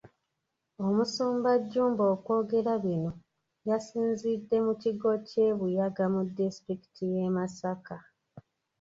Omusumba Jjumba okwogera bino yasinzidde mu kigo ky’e Buyaga mu disitulikiti y’e Masaka.